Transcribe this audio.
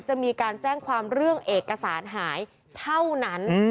จะมีการแจ้งความเรื่องเอกสารหายเท่านั้น